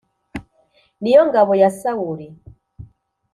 Ni yo ngabo ya Sawuli